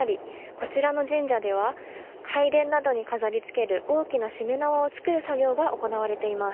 こちらの神社では拝殿などに飾りつける大きなしめ縄を作る作業が行われています。